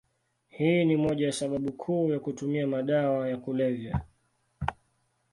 Hii ni moja ya sababu kuu ya kutumia madawa ya kulevya.